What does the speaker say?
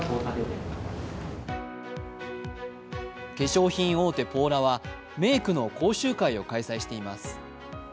化粧品大手・ポーラはメークの講習会を開催しています。